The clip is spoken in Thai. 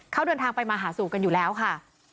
เขาเดินทางไปมาหาสู่กันอยู่แล้วค่ะ